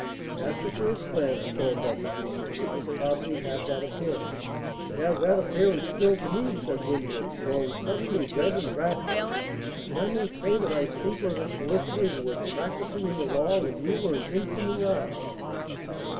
"At the first glance," Thorndyke agreed, "it would probably have that appearance." "It has that appearance still to me." said Winwood, growing suddenly red and wrathful, "and I may say that I speak as a solicitor who was practising in the law when you were an infant in arms.